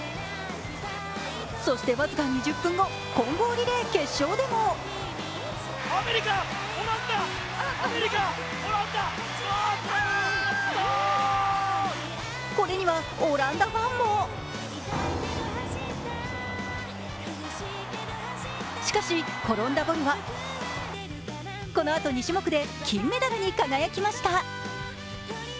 そして僅か２０分後、混合リレー決勝でもこれにはオランダファンもしかし、転んだボルは、このあと２種目で金メダルに輝きました。